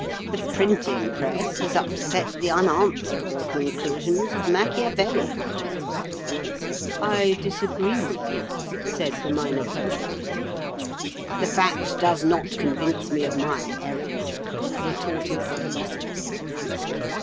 The printing press has upset the unanswerable conclusions of Machiavelli." "I disagree with you," said the Minor Poet. "The fact does not convince me of my error," retorted the Philosopher.